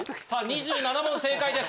２７問正解です